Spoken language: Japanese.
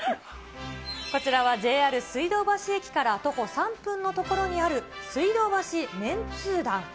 こちらはＪＲ水道橋駅から徒歩３分の所にある、水道橋麺通団。